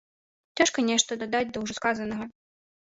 Цяжка нешта дадаць да ўжо сказанага.